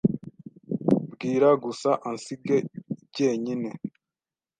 Bwira gusa ansige jyenyine.